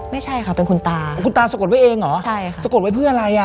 ไม่ใช่ค่ะเป็นคุณตาคุณตาสะกดไว้เองเหรอใช่ค่ะสะกดไว้เพื่ออะไรอ่ะ